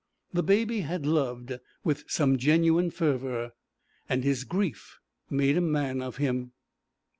The Baby had loved with some genuine fervour, and his grief made a man of him.